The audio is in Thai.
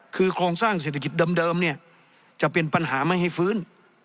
คือโครงสร้างเศรษฐกิจเดิมเนี่ยจะเป็นปัญหาไม่ให้ฟื้น